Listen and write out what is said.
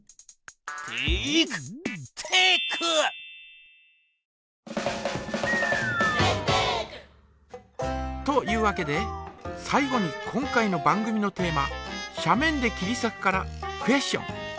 「テイクテック」！というわけで最後に今回の番組のテーマ「斜面できりさく」からクエスチョン。